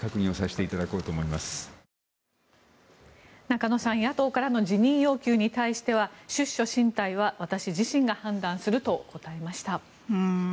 中野さん野党からの辞任要求に対しては出処進退は私自身が判断すると答えました。